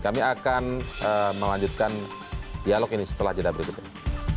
kami akan melanjutkan dialog ini setelah jeda berikut ini